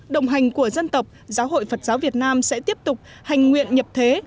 đồng hành của dân tộc giáo hội phật giáo việt nam sẽ tiếp tục hành nguyện nhập thế